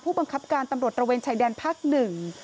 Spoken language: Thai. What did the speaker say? บังคับการตำรวจระเวนชายแดนภาคหนึ่ง